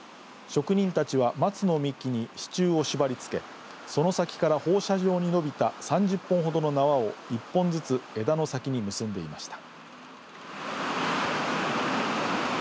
職人たちは松の幹に支柱を縛りつけその先から放射状に延びた３０本ほどの縄を一本ずつ枝の先に結んでいました。